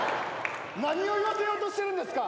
何を言わせようとしてるんですか。